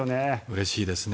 うれしいですね。